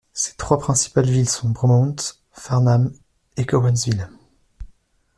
Ses trois principales villes sont Bromont, Farnham et Cowansville.